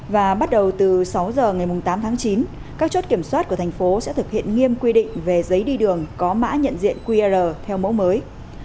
và bắt đầu từ sáu giờ ngày tám tháng chín các chốt kiểm soát của thành phố sẽ thực hiện nghiêm quy định về giấy đi đường có mã nhận diện qr theo mẫu mới